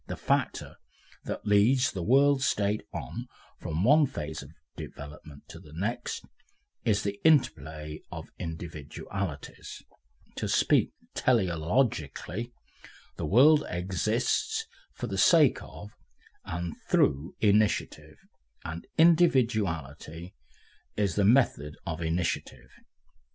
The factor that leads the World State on from one phase of development to the next is the interplay of individualities; to speak teleologically, the world exists for the sake of and through initiative, and individuality is the method of initiative.